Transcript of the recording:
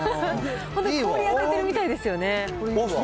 本当、氷当ててるみたいですよね。